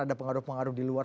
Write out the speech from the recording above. ada pengaruh pengaruh di luar